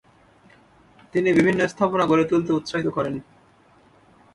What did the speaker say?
তিনি বিভিন্ন স্থাপনা গড়ে তুলতে উৎসাহিত করেন।